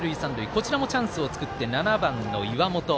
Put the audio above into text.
こちらもチャンスを作って７番の岩本。